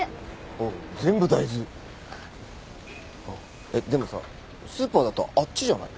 おお全部大豆！えっでもさスーパーだったらあっちじゃない？